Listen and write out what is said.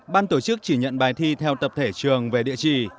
ban tổ chức chỉ nhận bài thi theo tập thể trường về địa chỉ